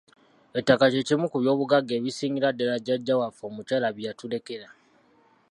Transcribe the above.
Ettaka kye kimu ku by'obugagga ebisingira ddala jjajja waffe omukyala bye yatulekera.